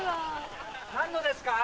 何のですか？